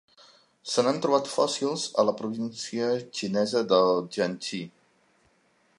Se n'han trobat fòssils a la província xinesa de Jiangxi.